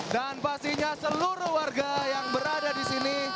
dan pastinya seluruh warga yang berada disini